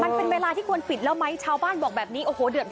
มันเป็นเวลาที่ควรพิดแล้วไหมชาวบ้านบอกแบบนี้